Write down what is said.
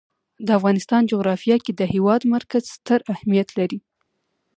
د افغانستان جغرافیه کې د هېواد مرکز ستر اهمیت لري.